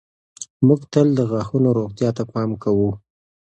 موږ تل د غاښونو روغتیا ته پام کوو.